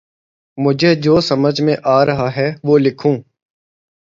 مجھے جو سمجھ میں آرہا ہے وہ لکھوں